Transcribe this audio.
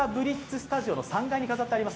スタジオの３階に飾ってあります。